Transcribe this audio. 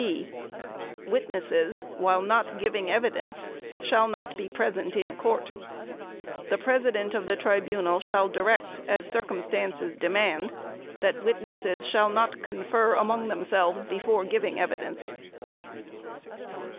(b) Witnesses while not giving evidence shall not be present in court. The President of the Tribunal shall direct, as circumstances demand, that witnesses shall not confer among themselves before giving evidence.